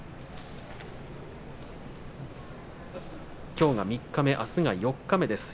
きょうが三日目あす四日目です。